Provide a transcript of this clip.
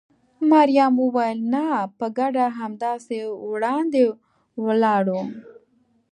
مريم وویل: نه، په ګډه همداسې وړاندې ولاړو.